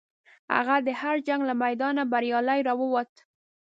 هغه د هر جنګ له میدانه بریالی راووت.